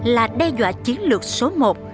là đe dọa chiến lược số một